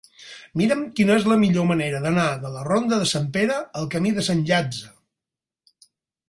Mira'm quina és la millor manera d'anar de la ronda de Sant Pere al camí de Sant Llàtzer.